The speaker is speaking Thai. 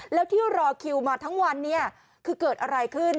แล้วที่รอคิวมาทั้งวันเนี่ยคือเกิดอะไรขึ้น